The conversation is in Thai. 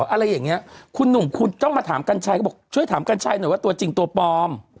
อะไรอย่างนี้คุณหนุ่มคุณต้องมาถามกัญชัยก็บอกช่วยถามกัญชัยหน่อยว่าตัวจริงตัวปลอม